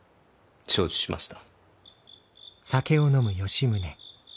承知しました。